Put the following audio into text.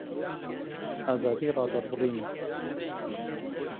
ئازادی ڕادەربڕینت